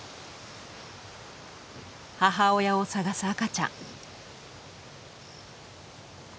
母親を捜す赤ちゃん。